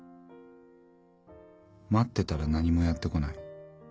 待ってたら何もやってこない。